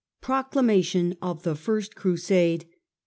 PROCLAMATION OF THE FIRST CRUSADE.